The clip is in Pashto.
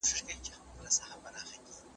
ټکنالوژي د ژوند هره برخه کې کارېدلی شي.